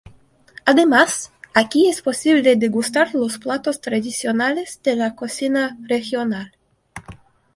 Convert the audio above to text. Además, aquí es posible degustar los platos tradicionales de la cocina regional.